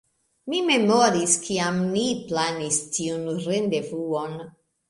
Mi memoris kiam ni planis tiun rendevuon